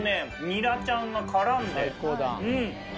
ニラちゃんが絡んでうん。